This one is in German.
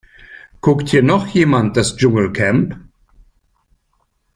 Guckt hier noch jemand das Dschungelcamp?